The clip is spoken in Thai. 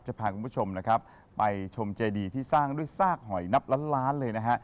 จะพาคุณผู้ชมนะครับไปชมเจดีที่สร้างด้วยซากหอยนับล้านล้านเลยนะฮะ